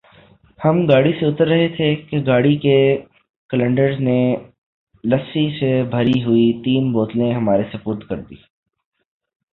ہم گاڑی سے اتر رہے تھے کہ گاڑی کے کلنڈر نے لسی سے بھری ہوئی تین بوتلیں ہمارے سپرد کر دیں